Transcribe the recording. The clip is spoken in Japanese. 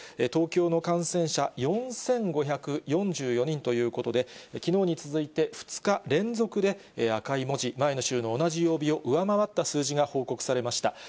東京の感染者、４５４４人ということで、きのうに続いて、２日連続で赤い文字、前の週の同じ曜日を上回った数字が報告されました。